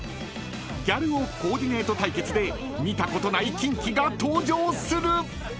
［ギャル男コーディネート対決で見たことないキンキが登場する］